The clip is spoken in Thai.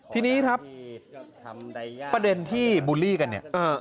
ที่นี้ครับประเด็นที่บุลลี่กันไง